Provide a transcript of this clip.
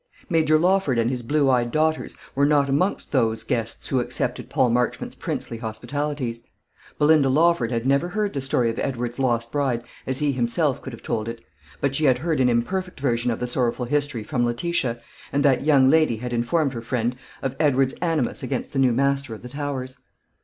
Major Lawford and his blue eyed daughters were not amongst those guests who accepted Paul Marchmont's princely hospitalities. Belinda Lawford had never heard the story of Edward's lost bride as he himself could have told it; but she had heard an imperfect version of the sorrowful history from Letitia, and that young lady had informed her friend of Edward's animus against the new master of the Towers.